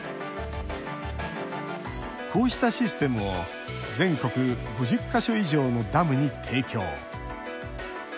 こうしたシステムを全国５０か所以上のダムに提供。